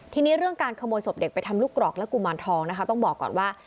ทีนี้เรื่องการขโมยศพเด็กไปทำลูกกรอกและกุมารทองนะคะต้องบอกก่อนว่า